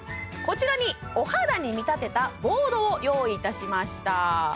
こちらにお肌に見立てたボードを用意いたしました